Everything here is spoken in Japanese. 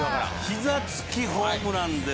膝つきホームランです。